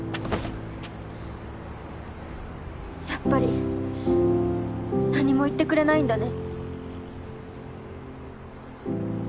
やっぱり何も言ってくれないんだね